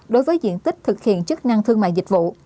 đối với diện tích thực hiện chức năng thương mại dịch vụ